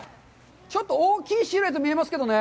ちょっと大きいシルエット見えますけどね。